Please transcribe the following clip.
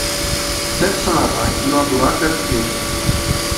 Тӗп сӑнара юратура тӗрӗслеҫҫӗ...